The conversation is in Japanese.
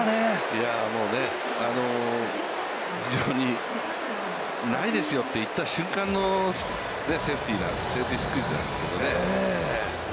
いや、もうね、非常に、ないですよって言った瞬間のセーフティースクイズなんですけどね。